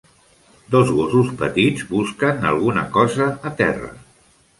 Dos gossos petits busquen alguna cosa a terra